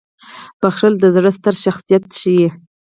• بخښل د زړه ستر شخصیت ښيي.